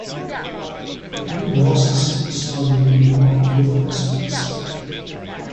"The Oni Masks" saga is marked with asterisk.